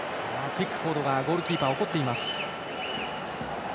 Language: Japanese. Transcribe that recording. ピックフォードがゴールキーパー、怒っています。